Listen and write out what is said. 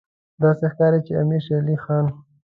داسې ښکاري چې امیر شېر علي خان.